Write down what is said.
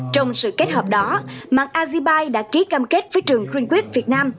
trong sự kết hợp đó mạng azibai đã ký cam kết với trường greenquist việt nam